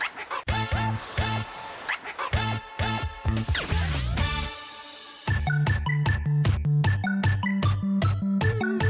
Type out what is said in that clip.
สวัสดีค่ะแกเกิดกลับกล้องกับใครวันนี้นะคะ